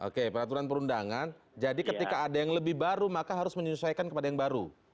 oke peraturan perundangan jadi ketika ada yang lebih baru maka harus menyesuaikan kepada yang baru